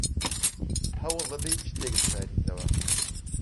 هەوڵ دەدەیت شتێک بشاریتەوە؟